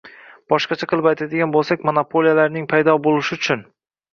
Boshqacha qilib aytadigan bo‘lsak, monopoliyalarning paydo bo‘lishi uchun